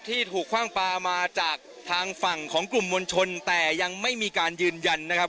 ที่ถูกคว่างปลามาจากทางฝั่งของกลุ่มมวลชนแต่ยังไม่มีการยืนยันนะครับ